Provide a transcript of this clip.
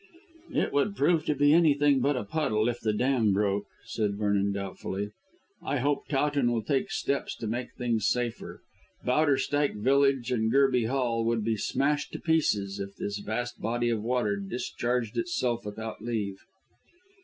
"It would prove to be anything but a puddle if the dam broke," said Vernon doubtfully. "I hope Towton will take steps to make things safer. Bowderstyke Village and Gerby Hall would be smashed to pieces if this vast body of water discharged itself without leave."